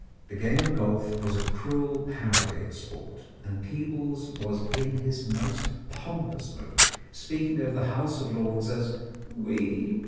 The game of golf was a cruel parody of sport, and Peebles was in his most pompous mood, speaking of the House of Lords as "we."